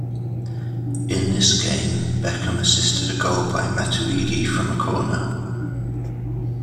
In this game, Beckham assisted a goal by Matuidi from a corner.